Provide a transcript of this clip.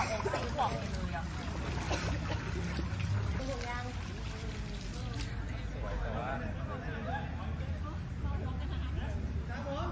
เอาละนี้ค่ะไม่ต้องหาได้หรอกครับพี่น้ำอ่า